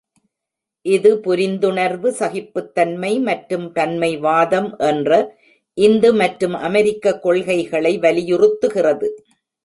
இது புரிந்துணர்வு, சகிப்புத்தன்மை மற்றும் பன்மைவாதம் என்ற இந்து மற்றும் அமெரிக்க கொள்கைகளை வலியுறுத்துகிறது.